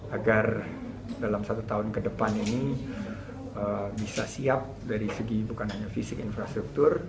agar dalam satu tahun ke depan ini bisa siap dari segi bukan hanya fisik infrastruktur